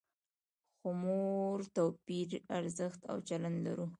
خو موږ توپیري ارزښت او چلند لرو.